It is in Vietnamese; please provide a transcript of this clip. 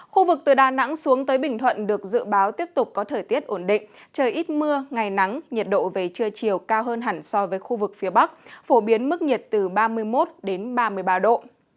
khu vực từ đà nẵng xuống tới bình thuận được dự báo tiếp tục có thời tiết ổn định trời ít mưa ngày nắng nhiệt độ về trưa chiều cao hơn hẳn so với khu vực phía bắc phổ biến mức nhiệt từ ba mươi một đến ba mươi ba độ